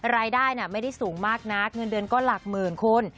รายได้ไม่ได้สูงมากนักเงินเดือนก็หลักหมื่นคุณ